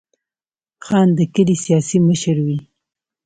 خان د کلي سیاسي مشر وي.